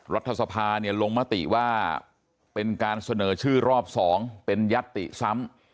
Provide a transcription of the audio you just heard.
รัฐสภาเนี่ยลงมติว่าเป็นการเสนอชื่อรอบ๒เป็นยัตติซ้ำ